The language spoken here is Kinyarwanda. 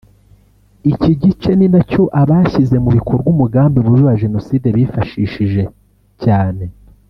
Iki gice ni na cyo abashyize mu bikorwa umugambi mubi wa Jenoside bifashishije cyane